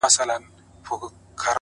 o زه د ساقي تر احترامه پوري پاته نه سوم،